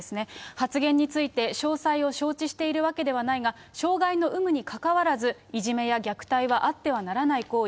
発言について詳細を承知しているわけではないが、障害の有無にかかわらず、いじめや虐待はあってはならない行為。